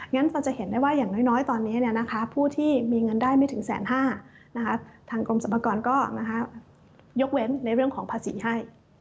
เราจะเห็นได้ว่าอย่างน้อยตอนนี้ผู้ที่มีเงินได้ไม่ถึง๑๕๐๐ทางกรมสรรพากรก็ยกเว้นในเรื่องของภาษีให้